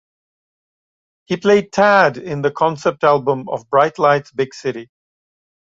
He played Tad in the concept album of "Bright Lights, Big City".